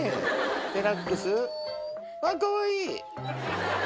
デラックスかわいい！